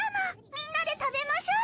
みんなで食べましょう。